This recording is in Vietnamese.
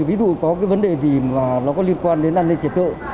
ví dụ có cái vấn đề gì mà nó có liên quan đến an ninh trật tự